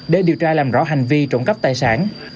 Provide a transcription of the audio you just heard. để điều tra làm rõ hành vi trộm cắp tài sản